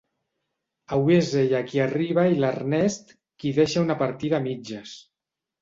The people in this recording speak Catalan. Avui és ella qui arriba i l'Ernest qui deixa una partida a mitges.